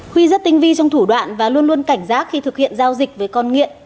huy rất tinh vi trong thủ đoạn và luôn luôn cảnh giác khi thực hiện giao dịch với con nghiện